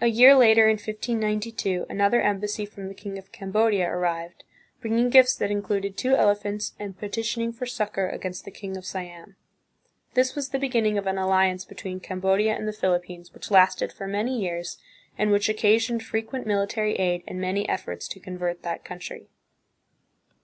A year later, in 1592, another embassy from the king of Cambodia arrived, bringing gifts that included two ele phants, and petitioning for succor against the king of Siam. This was the beginning of an alliance between Cambodia and the Philippines which lasted for many years, and which occasioned frequent military aid and many efforts to convert that country.